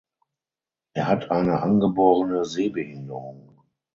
Er hat eine angeborene Sehbehinderung.